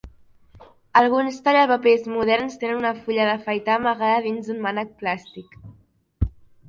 Alguns tallapapers moderns tenen una fulla d'afaitar amagada dins d'un mànec plàstic.